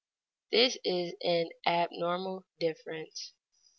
This is an abnormal difference.